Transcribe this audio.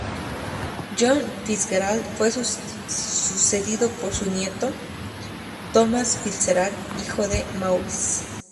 John Fitzgerald, fue sucedido por su nieto, Thomas Fitzgerald, hijo de Maurice.